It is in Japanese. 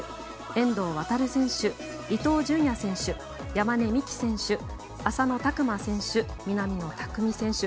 遠藤航選手伊東純也選手山根視来選手浅野拓磨選手、南野拓実選手